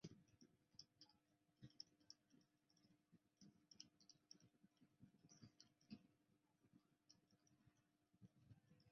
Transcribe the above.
李世鹤多次被提名为工程院院士。